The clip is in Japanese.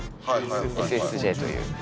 ＳＳＪという。